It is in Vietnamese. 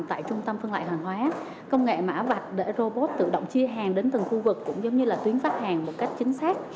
tại trung tâm phân loại hàng hóa công nghệ mã vạch để robot tự động chia hàng đến từng khu vực cũng giống như là tuyến khách hàng một cách chính xác